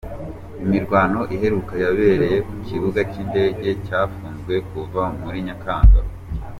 Imirwano iheruka yabereye ku kibuga cy’indege cyafunzwe kuva muri Nyakanga.